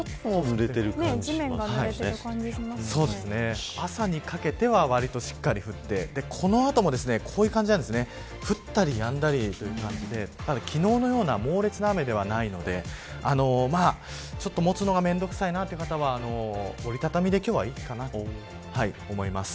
地面がぬれている感じが朝にかけてはわりとしっかり降ってこの後もこういう感じで降ったりやんだりという感じで昨日のような猛烈な雨ではないので持つのが面倒くさいなという方は折り畳みで今日はいいかなと思います。